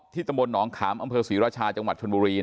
ตำบลหนองขามอำเภอศรีราชาจังหวัดชนบุรี